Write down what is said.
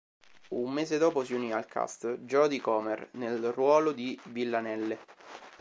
Un mese dopo si unì al cast Jodie Comer nel ruolo di Villanelle.